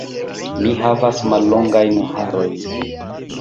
Mi havas mallongajn harojn.